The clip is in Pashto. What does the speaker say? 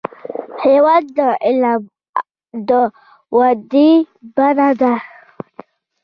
هېواد د علم د ودې بڼه ده.